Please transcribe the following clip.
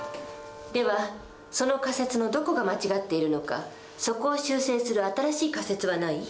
ではその仮説のどこが間違っているのかそこを修正する新しい仮説はない？